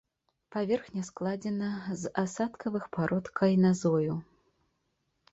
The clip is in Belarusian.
Паверхня складзена з асадкавых парод кайназою.